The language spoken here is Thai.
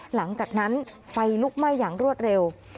หลังจากนั้นไฟลุกไหม้อย่างรวดเร็ว